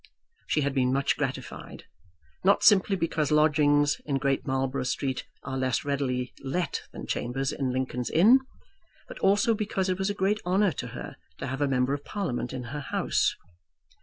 She had been much gratified, not simply because lodgings in Great Marlborough Street are less readily let than chambers in Lincoln's Inn, but also because it was a great honour to her to have a member of Parliament in her house.